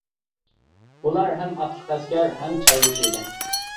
ئۇلار ھەم ئاتلىق ئەسكەر، ھەم چارۋىچى ئىدى.